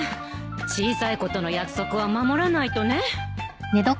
小さい子との約束は守らないとね。